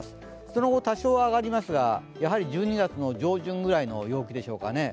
その後多少は上がりますが、やはり１２月上旬くらいの陽気でしょうかね。